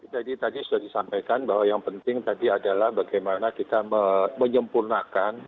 tadi sudah disampaikan bahwa yang penting tadi adalah bagaimana kita menyempurnakan